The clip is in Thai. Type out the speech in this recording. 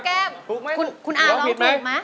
อเจมส์กุลคุณอ่านร้องเทพไหม